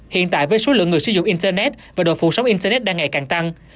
hiện tại với số lượng người sử dụng internet và độ phụ sóng internet đang ngày càng tăng